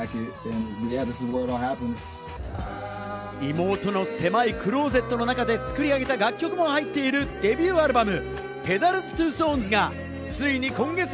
妹の狭いクローゼットの中で作り上げた楽曲も入っているデビューアルバム。